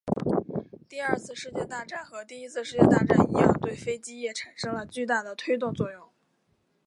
第二次世界大战和第一次世界大战一样对飞机业产生了巨大的推动作用。